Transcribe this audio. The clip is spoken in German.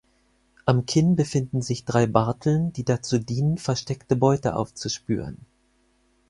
Am Kinn befinden sich drei Barteln, die dazu dienen versteckte Beute aufzuspüren.